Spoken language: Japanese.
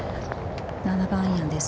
７番アイアンです。